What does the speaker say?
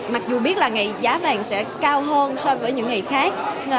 mặc dù biết là ngày giá vàng sẽ cao hơn so với những ngày khác